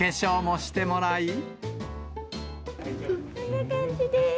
こんな感じです。